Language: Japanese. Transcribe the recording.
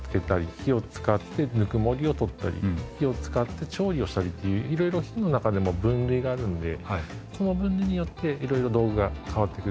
火を使ってぬくもりを取ったり火を使って調理をしたりっていう色々火の中でも分類があるんでその分類によって色々道具が変わってくる。